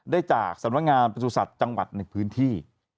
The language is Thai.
ได้จากสำนักงานประสุทธิ์จังหวัดในพื้นที่